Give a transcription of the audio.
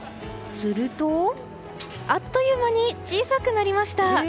するとあっという間に小さくなりました。